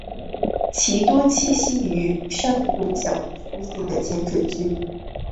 其多栖息于珊瑚礁附近浅水区。